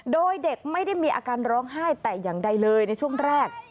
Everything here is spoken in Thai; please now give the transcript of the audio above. โดยเด็กไม่ได้มีอาการร้องไห้แต่อย่างใดเลยในช่วงแรก